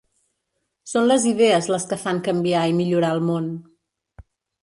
Són les idees les que fan canviar i millorar el món.